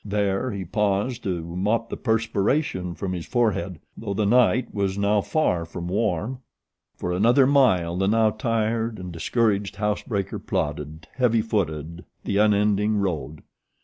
There he paused to mop the perspiration from his forehead, though the night was now far from warm. For another mile the now tired and discouraged house breaker plodded, heavy footed, the unending road.